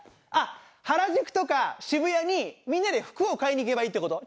あっ原宿とか渋谷にみんなで服を買いに行けばいいって事？